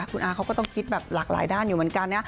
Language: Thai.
คุณอาเขาก็ต้องคิดแบบหลากหลายด้านอยู่เหมือนกันนะ